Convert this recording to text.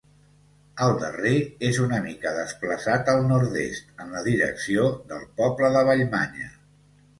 El darrer és una mica desplaçat al nord-est, en la direcció del poble de Vallmanya.